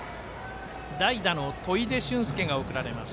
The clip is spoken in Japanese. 代打の砥出隼介が送られます。